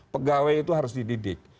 pegawai itu harus dididik